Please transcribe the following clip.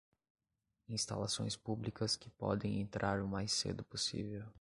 Instalações públicas que podem entrar o mais cedo possível